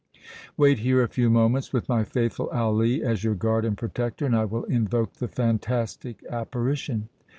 Wait here a few moments, with my faithful Ali as your guard and protector, and I will invoke the fantastic apparition!"